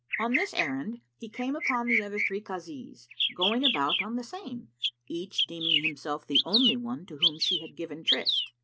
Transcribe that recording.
On this errand he came upon the other three Kazis, going about on the same, each deeming himself the only one to whom she had given tryst.